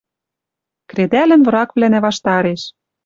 Кредӓлӹн врагвлӓнӓ ваштареш.